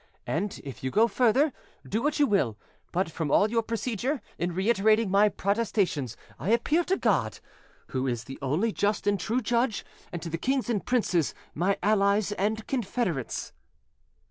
And if you go further, do what you will; but from all your procedure, in reiterating my protestations, I appeal to God, who is the only just and true judge, and to the kings and princes, my allies and confederates."